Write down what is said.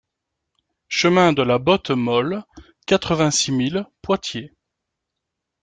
Chemin de la Botte Molle, quatre-vingt-six mille Poitiers